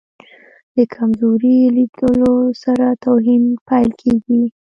د کمزوري لیدلو سره توهین پیل کېږي.